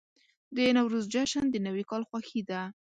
د نوروز جشن د نوي کال خوښي ده.